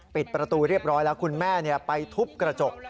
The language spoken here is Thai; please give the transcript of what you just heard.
ปิดประตูเรียบร้อยแล้วคุณแม่ไปทุบกระจก